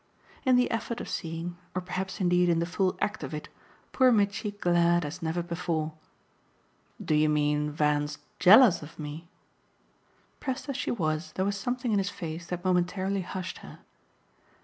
In the effort of seeing, or perhaps indeed in the full act of it, poor Mitchy glared as never before. "Do you mean Van's JEALOUS of me?" Pressed as she was, there was something in his face that momentarily hushed her.